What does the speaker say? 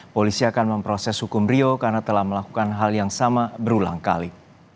polisi akan memproses hukum rio karena telah melakukan hal yang sama berulang kali